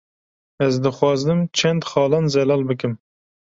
Ez dixwazim çend xalan zelal bikim